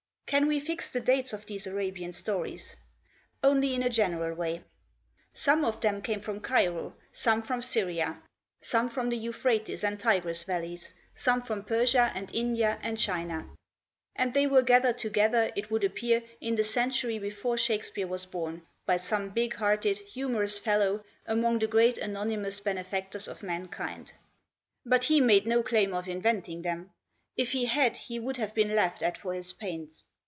Can we fix the dates of these Arabian stories? Only in a general way. Some of them came from Cairo, some from Syria, some from the Euphrates and Tigris Valleys, some from Persia and India and China; and they were gathered together, it would appear, in the century before Shakespeare was born, by some big hearted, humorous fel low, among the great anonymous benefactors of mankind. But he made no claim of inventing them. If he had he would have been laughed at for his pains.